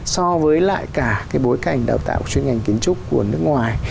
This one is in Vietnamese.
so với lại cả cái bối cảnh đào tạo chuyên ngành kiến trúc của nước ngoài